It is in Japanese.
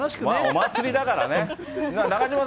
お祭りだからね。